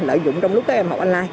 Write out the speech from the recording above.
lợi dụng trong lúc các em học online